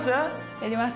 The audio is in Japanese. やります！